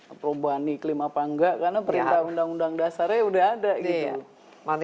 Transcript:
aprobani klim apa enggak karena perintah undang undang dasarnya udah ada gitu